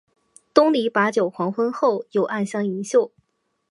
东篱把酒黄昏后，有暗香盈袖